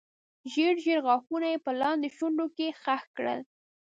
ژېړ ژېړ غاښونه یې په لاندې شونډه کې خښ کړل.